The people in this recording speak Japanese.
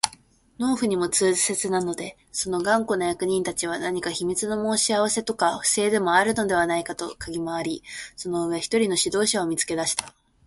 農夫にも痛切なので、その頑固な役人たちは何か秘密の申し合せとか不正とかでもあるのではないかとかぎ廻り、その上、一人の指導者を見つけ出した